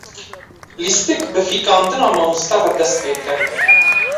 Lîstik bi fîkandina mamoste re dest pê dike.